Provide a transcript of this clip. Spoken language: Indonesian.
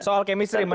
soal kemestri menarik